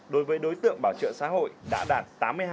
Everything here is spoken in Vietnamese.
đối với đối tượng bảo trợ xã hội đã đạt tám mươi hai chín mươi chín